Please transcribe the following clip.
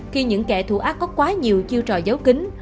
khi những kẻ thù ác có quá nhiều chiêu trò giấu kính